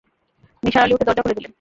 নিসার আলি উঠে দরজা খুলে দিলেন।